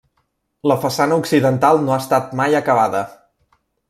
La façana occidental no ha estat mai acabada.